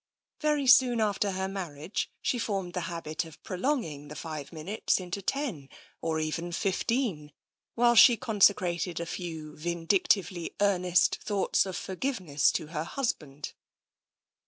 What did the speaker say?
Very soon after her marriage she formed the habit of prolonging the five minutes into ten, or even fifteen, while she consecrated a few vindictively earnest thoughts of forgiveness to her husband.